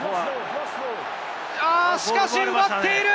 しかし奪っている！